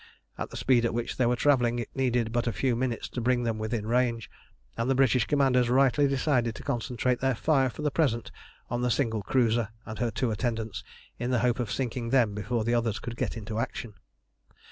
At the speed at which they were travelling it needed but a few minutes to bring them within range, and the British commanders rightly decided to concentrate their fire for the present on the single cruiser and her two attendants, in the hope of sinking them before the others could get into action.